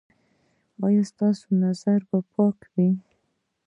ایا ستاسو نظر به پاک وي؟